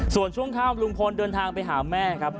ส่วนช่วงข้ามลุงพลเดินทางไปหาแม่ครับ